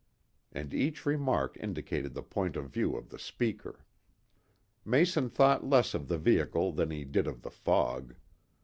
And each remark indicated the point of view of the speaker. Mason thought less of the vehicle than he did of the fog.